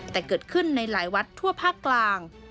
แต่เกิดขึ้นในหลายวัดทั่วภาคกลาง